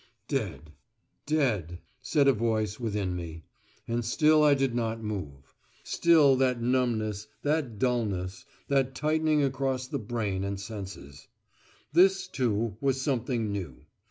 "Dead. Dead," said a voice within me. And still I did not move. Still that numbness, that dulness, that tightening across the brain and senses. This, too, was something new.